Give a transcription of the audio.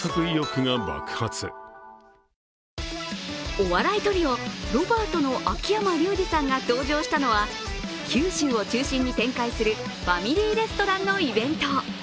お笑いトリオ・ロバートの秋山竜次さんが登場したのは九州を中心に展開するファミリーレストランのイベント。